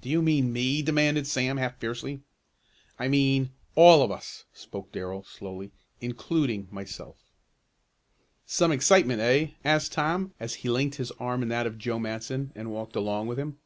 "Do you mean me?" demanded Sam half fiercely. "I mean all of us," spoke Darrell slowly, "including myself." "Some excitement; eh?" asked Tom, as he linked his arm in that of Joe Matson and walked along with him.